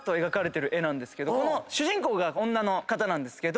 主人公が女の方なんですけど。